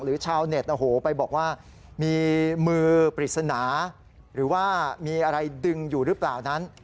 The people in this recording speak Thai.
ชาวเน็ตไปบอกว่ามีมือปริศนาหรือว่ามีอะไรดึงอยู่หรือเปล่านั้น